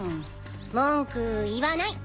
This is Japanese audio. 文句言わない。